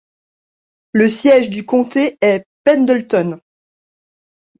Le siège du comté est Pendleton.